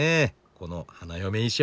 この花嫁衣装。